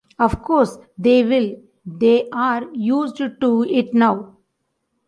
Of course they will; they are used to it now.